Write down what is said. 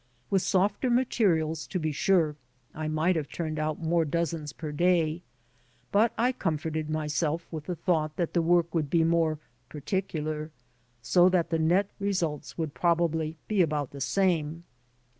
With softer materials, to be sure, I might have turned out more dozens per day, but I comfort^ myself with the thought that the work would be more "particular/* so that the net results would probably be about the same.